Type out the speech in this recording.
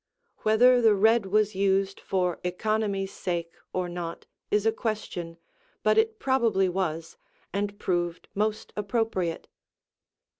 Whether the red was used for economy's sake or not is a question, but it probably was, and proved most appropriate.